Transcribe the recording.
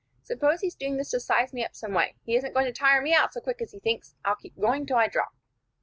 Suppose he's doing this to size me up some way; he isn't going to tire me out so quick as he thinks. I'll keep going till I drop."